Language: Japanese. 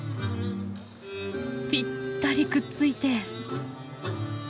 ぴったりくっついて。